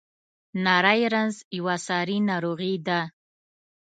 نری رنځ یوه ساري ناروغي ده.